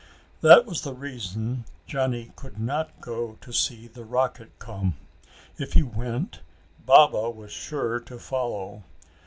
That was the reason Johnny could not go to see the rocket come. If he went, Baba was sure to follow.